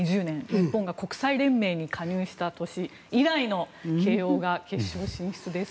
日本が国際連盟に加入した年以来の慶応が決勝進出です。